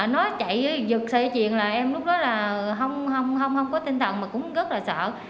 nó chạy giật sợi dây chuyền là em lúc đó là không có tinh thần mà cũng rất là sợ